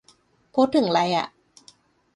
พูดถึงไรอะ